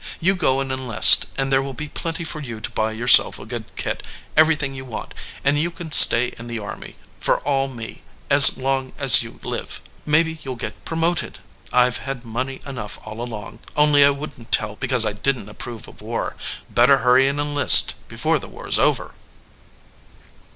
You go and enlist, and there will be plenty for you to buy yourself a good kit, everything you want, and you can stay in the army, for all me, as lung as you live. Maybe you ll get promoted. I ve had money enough all along, only I wouldn t tell because I didn t approve of war. Better hurry and enlist before the war s over."